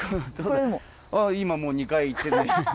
今もう２回行ってるね。